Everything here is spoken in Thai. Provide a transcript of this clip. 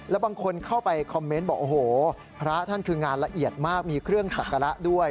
แล้วบางคนเข้าไปคอมเมนต์บอกโอ้โหพระท่านคืองานละเอียดมากมีเครื่องสักการะด้วย